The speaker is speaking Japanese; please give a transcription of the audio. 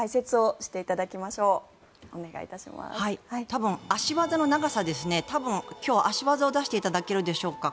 多分脚技の長さですね足技を出していただけますでしょうか